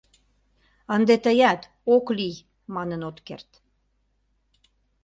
— Ынде тыят «ок лий» манын от керт.